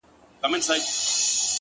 وسلوال غله خو د زړه رانه وړلای نه سي’